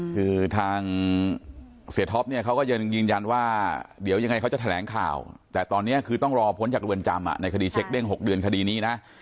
คือทางเสียท็อปเนี่ยเขาก็ยังยืนยันว่าเดี๋ยวยังไงเขาจะแถลงข่าวแต่ตอนนี้คือต้องรอพ้นจากเรือนจำในคดีเช็คเด้ง๖เดือนคดีนี้นะ